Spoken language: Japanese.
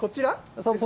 そうですか。